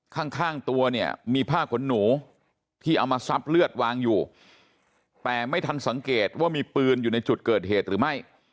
ข้างข้างตัวเนี่ยมีผ้าขนหนูที่เอามาซับเลือดวางอยู่แต่ไม่ทันสังเกตว่ามีปืนอยู่ในจุดเกิดเหตุหรือไม่